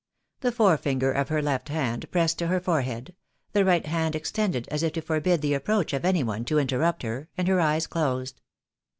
The fore finger of her left hand pressed to her forehead, the right hand extended as if to forbid the approach of any one to interrupt her, and her eyes closed.